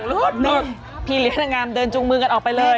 ลูกแม่หยุดพี่หลีกทางงามเดินจุงมือกันออกไปเลย